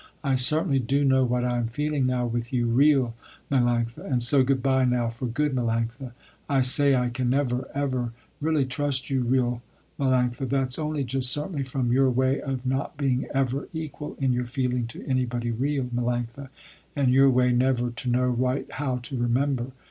I certainly do know what I am feeling now with you real Melanctha. And so good bye now for good Melanctha. I say I can never ever really trust you real Melanctha, that's only just certainly from your way of not being ever equal in your feeling to anybody real, Melanctha, and your way never to know right how to remember.